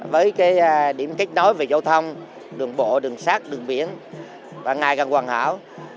với điểm kết nối về giao thông đường bộ đường sát đường biển và ngày càng hoàn hảo